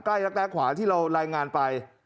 ใกล้และแค่ขวานที่เราลายงานไป